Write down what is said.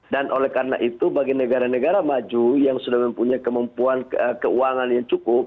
dan oleh karena itu bagi negara negara maju yang sudah mempunyai kemampuan keuangan yang cukup